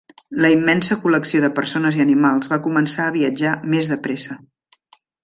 La immensa col·lecció de persones i animals va començar a viatjar més de pressa.